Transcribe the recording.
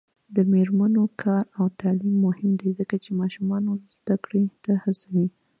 د میرمنو کار او تعلیم مهم دی ځکه چې ماشومانو زدکړې ته هڅوي.